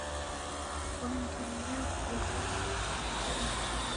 Fwandi yew'uduka ivongonyi